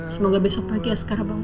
semoga besok pagi ya sekarang bang